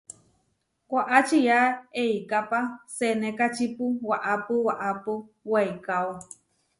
Waʼá čiá eikápa senékačipu waʼápu waʼápu weikáo.